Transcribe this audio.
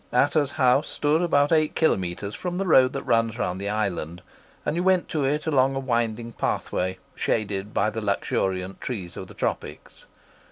Ata's house stood about eight kilometres from the road that runs round the island, and you went to it along a winding pathway shaded by the luxuriant trees of the tropics.